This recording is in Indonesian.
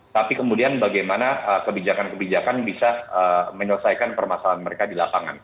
tapi kemudian bagaimana kebijakan kebijakan bisa menyelesaikan permasalahan mereka di lapangan